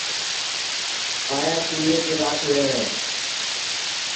آیا چُولے کی راکھ لئٹؔے